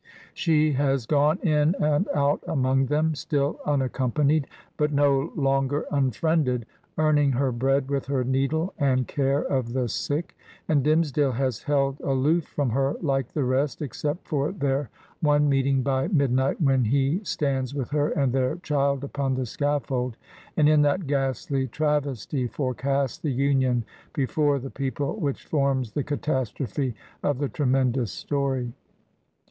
She has gone in and out among them, still unaccompanied, but no longer unfriended, earning her bread with her needle and care of the sick, and Dimmesh dale has held aloof from her like the rest, except for their one meeting by midnight, when he stands with her and their child upon the scaffold^ and in that ghastly travesty forecasts the union before the peo> pie which forms the catastrophe of the tremendous story.